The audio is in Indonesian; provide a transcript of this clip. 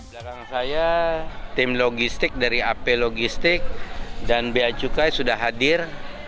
belakang saya tim logistik dari ap logistik dan bacukai sudah hadir